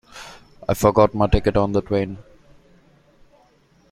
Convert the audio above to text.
I forgot my ticket on the train.